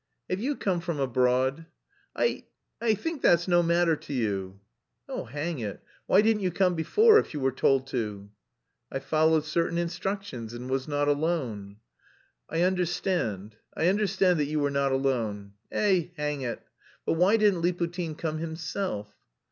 "Have you come from abroad?" "I... I think that's no matter to you." "Oh, hang it! Why didn't you come before if you were told to?" "I followed certain instructions and was not alone." "I understand, I understand that you were not alone. Eh... hang it! But why didn't Liputin come himself?"